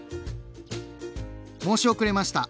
申し遅れました！